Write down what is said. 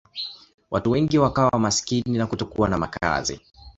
Watu wengi wakawa maskini na kutokuwa na makazi.